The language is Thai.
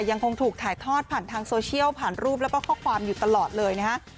ยังคงถูกถ่ายทอดผ่านทางโซเชียลผ่านรูปแล้วก็ข้อความอยู่ตลอดเลยนะฮะ